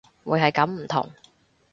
會係咁唔同